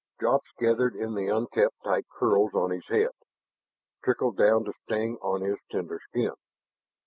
Drops gathered in the unkempt tight curls on his head, trickled down to sting on his tender skin.